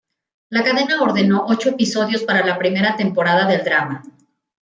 La cadena ordenó ocho episodios para la primera temporada del drama.